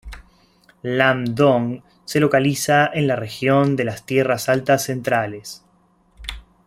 Lam Dong se localiza en la región de las Tierras Altas Centrales.